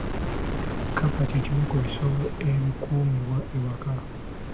Kkapa ky’ekimu ku bisolo ebikuumibwa awaka.